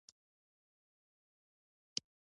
سندره له موسیقۍ نه ډکه وي